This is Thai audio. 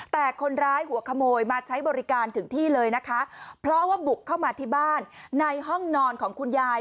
แต่คนร้ายหัวขโมยมาใช้บริการถึงที่เลยนะคะเพราะว่าบุกเข้ามาที่บ้านในห้องนอนของคุณยาย